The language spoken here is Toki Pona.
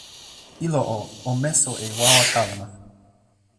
ilo o, o meso e wawa kalama.